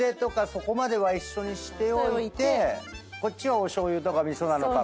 そこまでは一緒にしておいてこっちはおしょうゆとか味噌なのか。